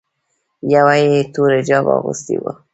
یوه یې تور حجاب اغوستی و.